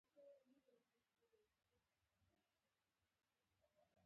ایا مصنوعي ځیرکتیا د انساني ځانګړتیاوو ارزښت نه ازموي؟